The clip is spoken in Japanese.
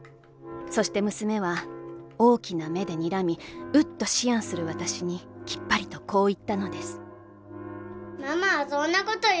そして娘は大きな目で睨み『ウッ』と思案する私に、きっぱりとこう言ったのです」。